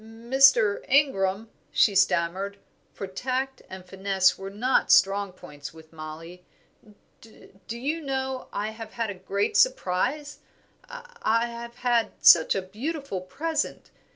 "Mr. Ingram," she stammered for tact and finesse were not strong points with Mollie, "do you know I have had a great surprise. I have had such a beautiful present.